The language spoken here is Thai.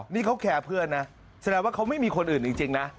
นี่เขาแคร์เพื่อนนะแสดงว่าเขาไม่มีคนอื่นจริงนะ